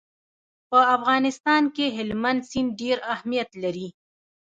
په افغانستان کې هلمند سیند ډېر اهمیت لري.